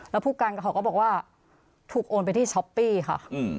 แล้วผู้การกับเขาก็บอกว่าถูกโอนไปที่ช้อปปี้ค่ะ